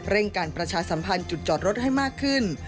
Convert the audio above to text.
การประชาสัมพันธ์จุดจอดรถให้มากขึ้น